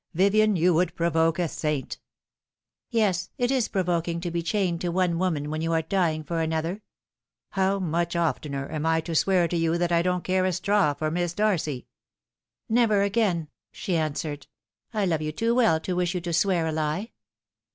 "Vivien, you would provoke a saint." " Yes, it is provoking to be chained to one woman when you are dying for another." " How much of tener am I to swear to you that I don't care a straw for Miss Darcy ?"" Never again," she answered. " I love you too well to wish you to swear a lie."